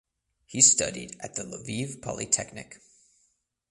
He studied at the Lviv Polytechnic.